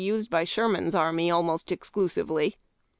used by Sherman's army almost exclusively.